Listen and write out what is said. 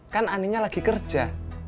kan aninya lagi kerja